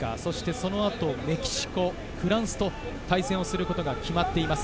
その後メキシコ、フランスと対戦することが決まっています。